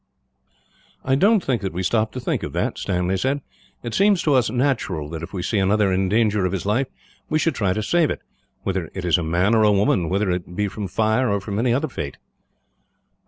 "I don't think that we stop to think of that," Stanley said. "It seems to us natural that if we see another in danger of his life, we should try to save it; whether it is a man or woman, whether it be from fire or from any other fate."